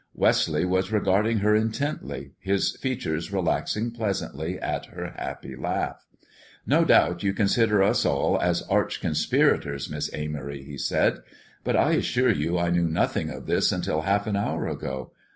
Wesley was regarding her intently, his features relaxing pleasantly at her happy laugh. "No doubt you consider us all as arch conspirators, Miss Amory," he said; "but I assure you I knew nothing of this until half an hour ago.